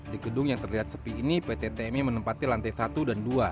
di gedung yang terlihat sepi ini pt tmi menempati lantai satu dan dua